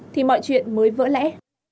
thì mọi chuyện mới vỡ lẽ